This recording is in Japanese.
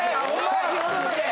先ほどまで。